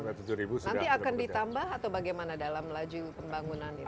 nanti akan ditambah atau bagaimana dalam laju pembangunan ini